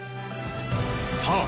さあ